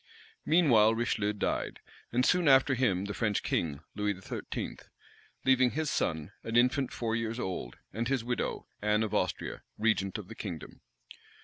Meanwhile Richelieu died, and soon after him the French king, Louis XIII., leaving his son, an infant four years old, and his widow, Anne of Austria, regent of the kingdom.